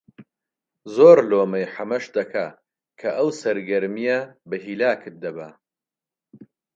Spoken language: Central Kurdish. زۆر لۆمەی حەمەش دەکا کە ئەو سەرگەرمییە بە هیلاکت دەبا